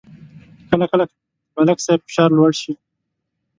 کله کله د ملک صاحب فشار لوړ شي